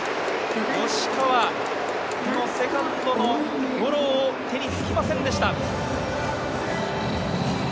吉川、セカンドのゴロ、手につきませんでした。